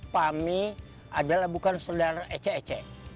pami adalah bukan saudara ece ece